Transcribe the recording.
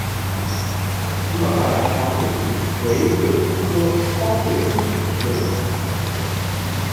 喜马拉雅花蟹蛛为蟹蛛科花蟹蛛属的动物。